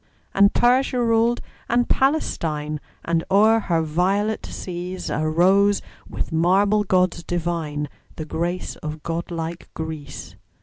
And Persia ruled and Palestine; And o'er her violet seas Arose, with marble gods divine, The grace of god like Greece.